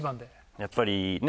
やっぱりねえ？